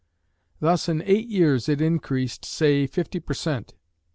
Thus in eight years it increased, say, fifty per cent.